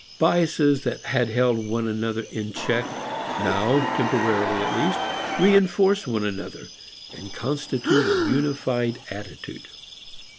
Biases that had held one another in check now, temporarily at least, reinforce one another, and constitute a unified attitude.